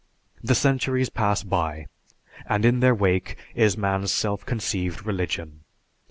The centuries pass by, and in their wake is man's self conceived religion.